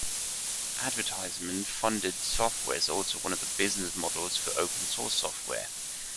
Advertisement-funded software is also one of the business models for open-source software.